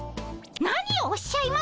何をおっしゃいます！